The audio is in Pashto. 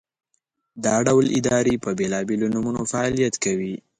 دا ډول ادارې په بېلابېلو نومونو فعالیت کوي.